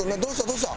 どうした？